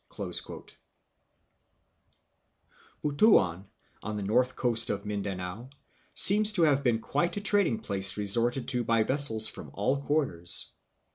1 Butuan, on the north coast of Mindanao, seems to have been quite a trading place resorted to by vessels from all quarters.